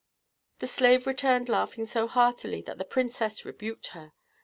The slave returned laughing so heartily that the princess rebuked her.